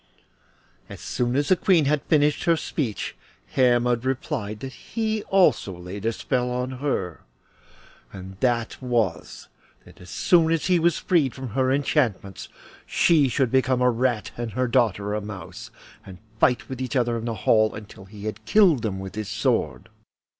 As soon as the Queen had finished her speech Hermod replied that he also laid a spell on her, and that was, that as soon as he was freed from her enchantments she should become a rat and her daughter a mouse, and fight with each other in the hall until he killed them with his sword.